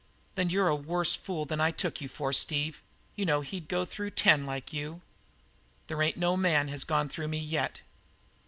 "Then you're a worse fool than I took you for, Steve. You know he'd go through ten like you." "There ain't no man has gone through me yet."